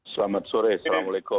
selamat sore assalamualaikum